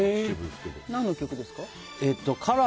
何の曲ですか？